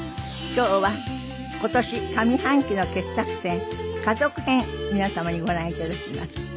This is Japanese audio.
今日は今年上半期の傑作選家族編皆様にご覧頂きます。